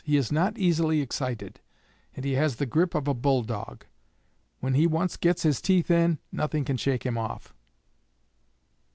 He is not easily excited, and he has the grip of a bulldog. When he once gets his teeth in, nothing can shake him off."